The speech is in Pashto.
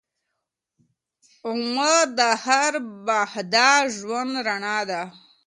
عمر د هر باهدفه ژوند رڼا ده.